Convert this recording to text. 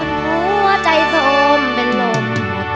คนรู้ว่าใจทรงเป็นลมหมดแรง